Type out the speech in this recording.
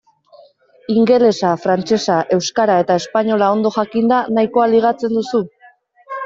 Ingelesa, frantsesa, euskara eta espainola ondo jakinda nahikoa ligatzen duzu?